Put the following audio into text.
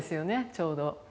ちょうど。